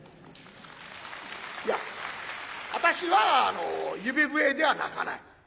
いや私はあの指笛では鳴かない。